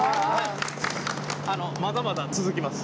まだまだ続きます。